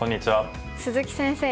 鈴木先生